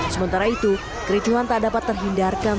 sementara itu kericuhan tak dapat terhindarkan